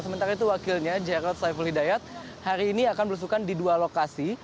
sementara itu wakilnya jarod saiful hidayat hari ini akan berusukan di dua lokasi